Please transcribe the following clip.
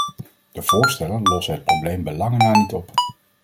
De voorstellen lossen het probleem bij lange na niet op.